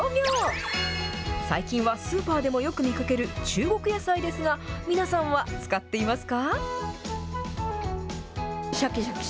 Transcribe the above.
最近はスーパーでもよく見かける中国野菜ですが、皆さんは使っていますか？